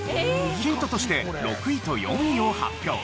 ヒントとして６位と４位を発表。